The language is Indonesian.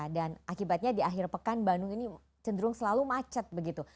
dan akibatnya di akhir pekan bandung ini cenderung selalu macet begitu